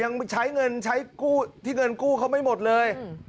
ยังใช้เงินใช้กู้ที่เงินกู้เขาไม่หมดเลย